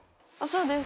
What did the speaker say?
そうです。